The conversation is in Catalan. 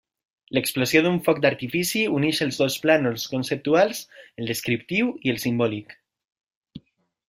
L'explosió d'un foc d'artifici uneix els dos plànols conceptuals, el descriptiu i el simbòlic.